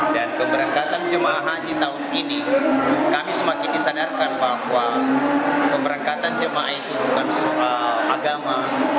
dan keberangkatan jemaah haji tahun ini kami semakin disadarkan bahwa keberangkatan jemaah itu bukan soal agama